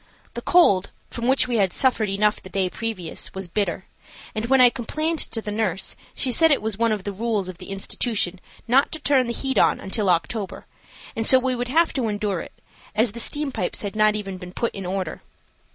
The cold, from which we had suffered enough the day previous, was bitter, and when I complained to the nurse she said it was one of the rules of the institution not to turn the heat on until October, and so we would have to endure it, as the steam pipes had not even been put in order.